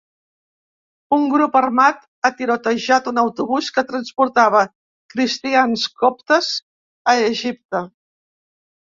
Un grup armat ha tirotejat un autobús que transportava cristians coptes a Egipte.